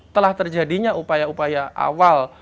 telah terjadinya upaya upaya awal